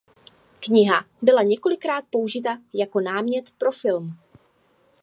Kniha byla několikrát použita jako námět pro film.